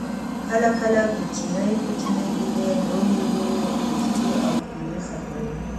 کله کله کوچنۍ کوچنۍ ګیلې لویي لویي دوستۍ او خپلوۍ ختموي